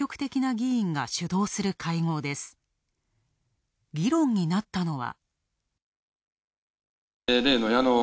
議論になったのは。